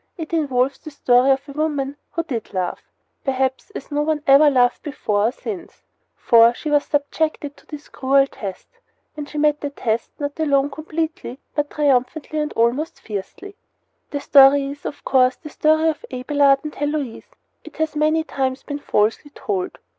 It involves the story of a woman who did love, perhaps, as no one ever loved before or since; for she was subjected to this cruel test, and she met the test not alone completely, but triumphantly and almost fiercely. The story is, of course, the story of Abelard and Heloise. It has many times been falsely told.